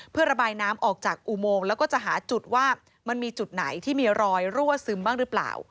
เพื่อระบายน้ำออกจากอุโมงแล้วก็จะหาจุดว่ามันมีจุดไหนที่มีรอยรั่วซึมบ้างหรือเปล่า